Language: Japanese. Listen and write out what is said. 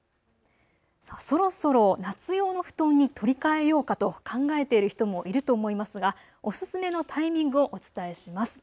そろそろ夏用の布団に取り替えようかと考えている人もいると思いますがおすすめのタイミングをお伝えします。